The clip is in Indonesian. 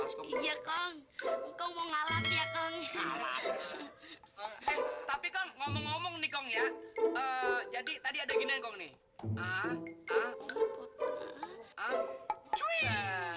sampai jumpa di video selanjutnya